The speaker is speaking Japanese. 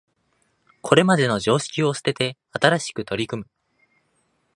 これまでの常識を捨てて新しく取り組む